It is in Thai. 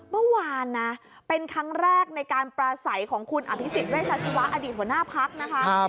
เมื่อวานนะเป็นครั้งแรกในการปราศัยของคุณอภิษฎเวชาชีวะอดีตหัวหน้าพักนะคะ